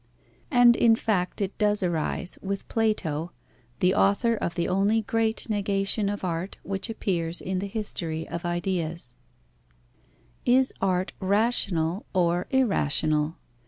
And in fact it does arise, with Plato, the author of the only great negation of art which appears in the history of ideas. Is art rational or irrational?